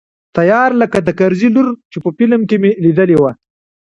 تيار لکه د کرزي لور چې په فلم کښې مې ليدلې وه.